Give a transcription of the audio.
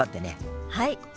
はい。